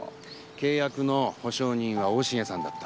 契約の保証人は大重さんだった。